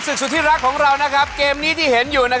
ในช่วงนี้ก็ถึงเวลากับศึกแห่งศักดิ์ศรีของฝ่ายชายกันบ้างล่ะครับ